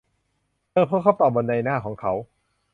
เธอพบคำตอบบนใบหน้าของเขา